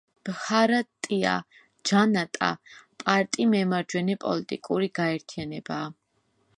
ბჰარატია ჯანატა პარტი მემარჯვენე პოლიტიკური გაერთიანებაა.